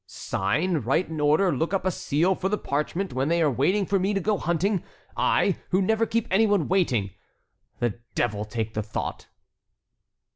"Sign, write an order, look up a seal for the parchment when they are waiting for me to go hunting, I, who never keep anyone waiting! The devil take the thought!"